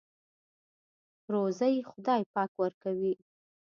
روزۍ خدای پاک ورکوي.